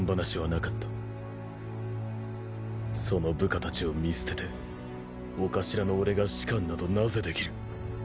その部下たちを見捨てて御頭の俺が士官などなぜできる？